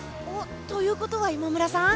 ということは今村さん。